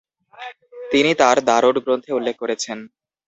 তিনি তাঁর the road গ্রন্থে উল্লেখ করেছেন।